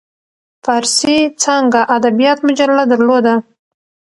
فارسي څانګه ادبیات مجله درلوده.